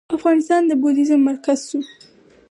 افغانستان د بودیزم مرکز شو